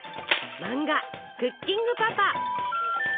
漫画「クッキングパパ」。